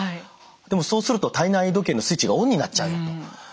でもそうすると体内時計のスイッチがオンになっちゃうよと。